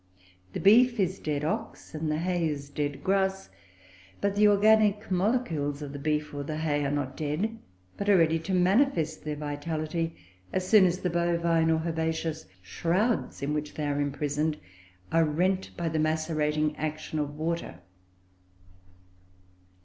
The beef is dead ox, and the hay is dead grass; but the "organic molecules" of the beef or the hay are not dead, but are ready to manifest their vitality as soon as the bovine or herbaceous shrouds in which they are imprisoned are rent by the macerating action of water.